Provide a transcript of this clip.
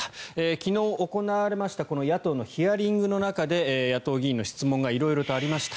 昨日、行われました野党のヒアリングの中で野党議員の質問が色々とありました。